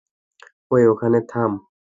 এই, ওখানেই থাম!